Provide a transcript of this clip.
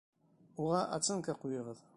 Уға оценка ҡуйығыҙ.